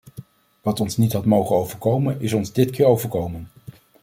Wat ons niet had mogen overkomen is ons dit keer overkomen.